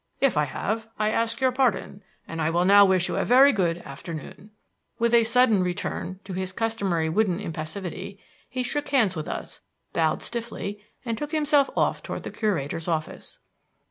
If I have I ask your pardon, and I will now wish you a very good afternoon." With a sudden return to his customary wooden impassivity, he shook hands with us, bowed stiffly, and took himself off toward the curator's office.